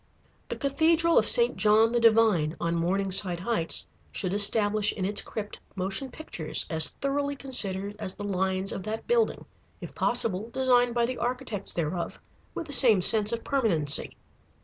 The Cathedral of St. John the Divine, on Morningside Heights, should establish in its crypt motion pictures as thoroughly considered as the lines of that building, if possible designed by the architects thereof, with the same sense of permanency.